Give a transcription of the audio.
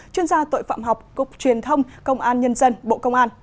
chuyên gia tội phạm học cục truyền thông công an nhân dân bộ công an